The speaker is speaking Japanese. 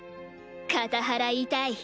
片腹痛い。